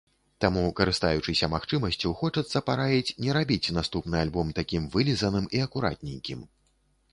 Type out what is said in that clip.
Таму, карыстаючыся магчымасцю, хочацца параіць не рабіць наступны альбом такім вылізаным і акуратненькім.